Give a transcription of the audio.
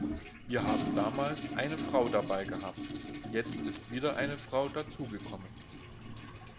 Wir haben damals eine Frau dabei gehabt, jetzt ist wieder eine Frau dazugekommen.